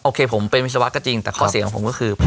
โคผมเป็นวิศวะก็จริงแต่ข้อเสียงของผมก็คือ